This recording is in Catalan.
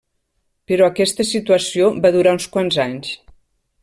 Però aquesta situació va durar uns quants anys.